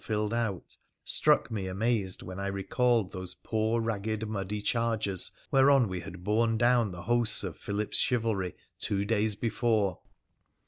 filled out struck me amazed when I recalled those poor, ragged, muddy chargers whereon we had borne down the hosts of Philip's chivalry two days before.